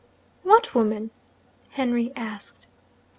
'What woman?' Henry asked.